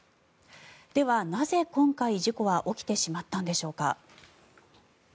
では、なぜ今回、事故は起きてしまったんでしょうか。